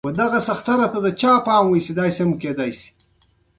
چې زموږ ملک ته څوک شی راوړي دننه، له پردیو به هغه راهداري غواړي